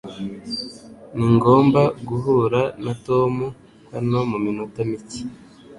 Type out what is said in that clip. Ningomba guhura na Tom hano muminota mike.